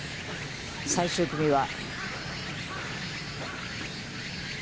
最終組は。